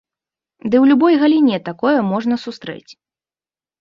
Ды ў любой галіне такое можна сустрэць!